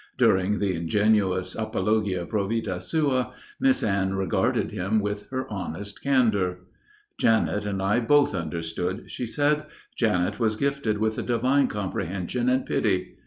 During the ingenuous apologia pro vita sua Miss Anne regarded him with her honest candour. "Janet and I both understood," she said. "Janet was gifted with a divine comprehension and pity.